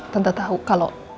tante tahu kalau